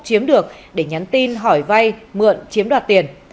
chiếm được để nhắn tin hỏi vay mượn chiếm đoạt tiền